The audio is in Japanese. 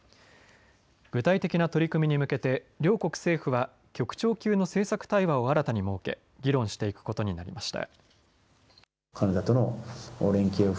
具体的な取り組みに向けて両国政府は局長級の政策対話を新たに設け議論していくことになりました。